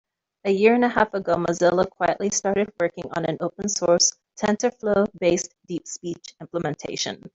A year and a half ago, Mozilla quietly started working on an open source, TensorFlow-based DeepSpeech implementation.